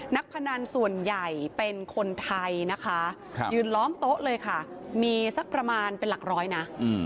พนันส่วนใหญ่เป็นคนไทยนะคะยืนล้อมโต๊ะเลยค่ะมีสักประมาณเป็นหลักร้อยนะ